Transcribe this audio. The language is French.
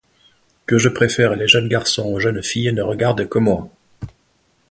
Que je préfère les jeunes garçons aux jeunes filles ne regarde que moi.